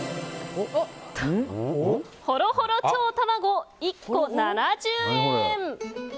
ホロホロチョウ卵、１個７０円。